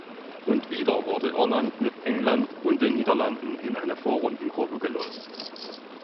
Und wieder wurde Irland mit England und den Niederlanden in eine Vorrundengruppe gelost.